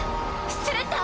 スレッタ？